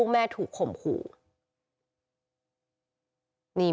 ไม่เคยได้มาพูดคุยถามอาการของลูกหนู